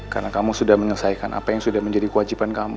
karena kamu sudah menyelesaikan apa yang sudah menjadi kewajiban kamu